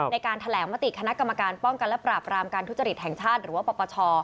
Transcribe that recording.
ในการแถลงมติคณะกรรมการป้องกันและปราบรามการทุจริตแห่งชาติหรือว่าปปช